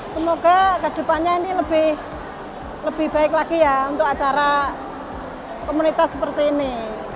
semoga ke depannya ini lebih baik lagi ya untuk acara komunitas seperti ini